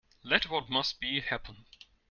Let what must be, happen.